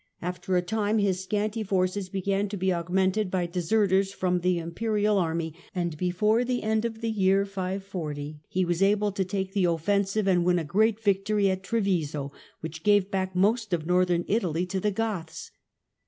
After a time his scanty forces began to be augmented by deserters from the Imperial army, and before the end of the year 540 he was able to take the offensive and win a great victory at Treviso, which gave back most of Northern Italy to the Goths.